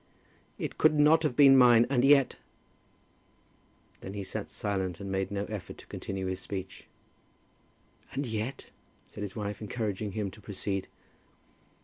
"It could not have been mine, and yet " Then he sat silent, and made no effort to continue his speech. "And yet?" said his wife, encouraging him to proceed.